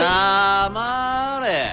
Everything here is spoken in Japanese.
黙れ。